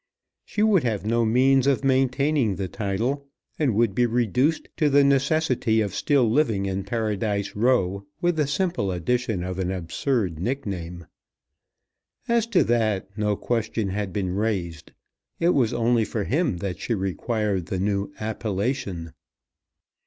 She would have no means of maintaining the title, and would be reduced to the necessity of still living in Paradise Row, with the simple addition of an absurd nickname. As to that, no question had been raised. It was only for him that she required the new appellation.